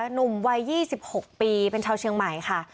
หนุ่มวัย๒๖ปีเป็นชาวเชียงใหม่ค่ะ